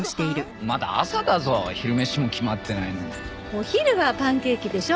お昼はパンケーキでしょ。